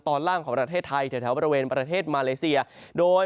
ตอนล่างของประเทศไทยแถวบริเวณประเทศมาเลเซียโดย